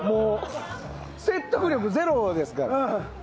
説得力ゼロですから。